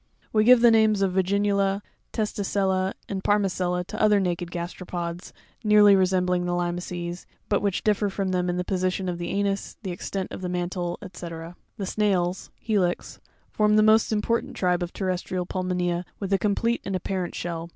We give the names of Vacinuta, TEsracriza, and Parma CELLA to other naked gasteropods, nearly resembling the limaces, but which differ from them in the position of the anus, the extent of the mantie, &c. 15. The Snarrs—Helix—form the most important tribe of terrestrial pulmonea with a complete and apparent shell.